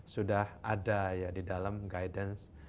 sudah ada ya di dalam guidance